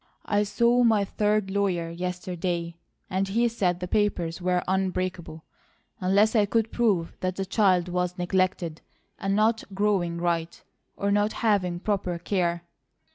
I saw my third lawyer yesterday, and he said the papers were unbreakable unless I could prove that the child was neglected, and not growing right, or not having proper care.